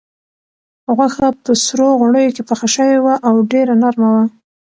غوښه په سرو غوړیو کې پخه شوې وه او ډېره نرمه وه.